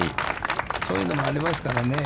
そういうのもありますからね。